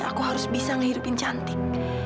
aku harus bisa menghirupin cantik